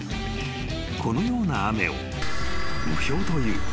［このような雨を雨氷という］